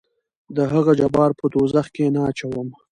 دهغه جبار په دوزخ کې نه اچوم.